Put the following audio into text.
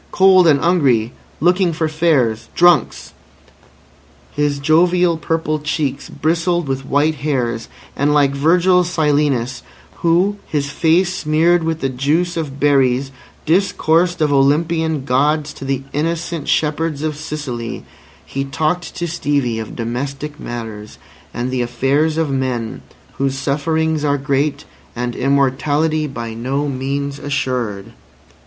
Cold and 'ungry. Looking for fares. Drunks." His jovial purple cheeks bristled with white hairs; and like Virgil's Silenus, who, his face smeared with the juice of berries, discoursed of Olympian Gods to the innocent shepherds of Sicily, he talked to Stevie of domestic matters and the affairs of men whose sufferings are great and immortality by no means assured.